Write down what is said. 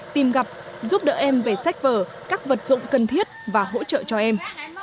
tìm gặp giúp đỡ em về sách vở các vật dụng cần thiết và hỗ trợ cho em